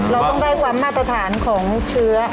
เราต้องได้ความมาตรฐานของเชื้อ